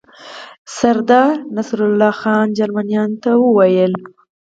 سردار نصرالله خان جرمنیانو ته وویل.